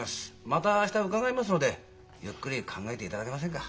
また明日伺いますのでゆっくり考えていただけませんか。